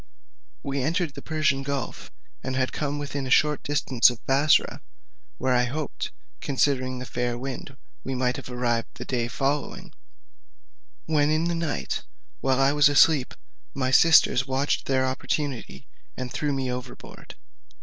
We entered the Persian gulf, and had come within a short distance of Bussorah (where I hoped, considering the fair wind, we might have arrived the day following), when in the night, while I was asleep, my sisters watched their opportunity, and threw me overboard.